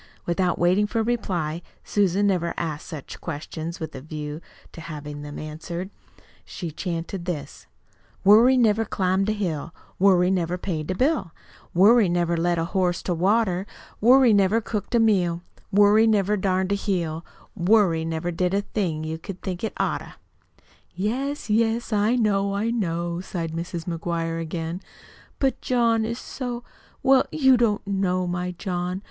Without waiting for a reply Susan never asked such questions with a view to having them answered she chanted this: "Worry never climbed a hill, Worry never paid a bill, Worry never led a horse to water. Worry never cooked a meal, Worry never darned a heel, Worry never did a thing you'd think it oughter!" "Yes, yes, I know, I know," sighed Mrs. McGuire again. "But John is so well, you don't know my John.